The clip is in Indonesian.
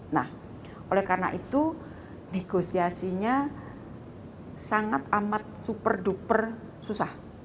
nah oleh karena itu negosiasinya sangat amat super duper susah